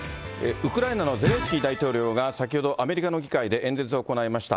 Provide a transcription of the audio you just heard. ウクライナのゼレンスキー大統領が、先ほど、アメリカの議会で演説を行いました。